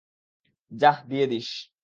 যা, দিয়ে দিস।